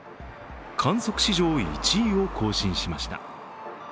観測史上１位を更新しました。